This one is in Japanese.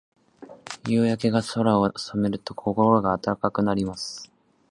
夕焼けが空を染めると、心が温かくなります。